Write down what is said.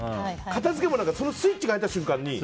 片付けもスイッチが入った瞬間に。